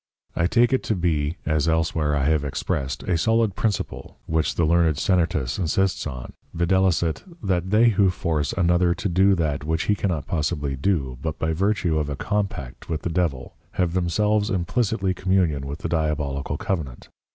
_ I take it to be (as elsewhere I have expressed) a solid Principle, which the Learned Sennertus insists on, viz. _That they who force another to do that which he cannot possibly do, but by vertue of a Compact with the Devil, have themselves implicitely Communion with the Diabolical Covenant.